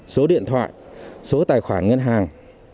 số điện thoại số tài khoản ngân hàng